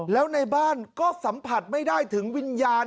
แล้วในบ้านก็สัมผัสไม่ได้ถึงวิญญาณ